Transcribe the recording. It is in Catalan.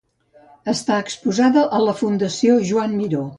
Està exposada a la Fundació Joan Miró.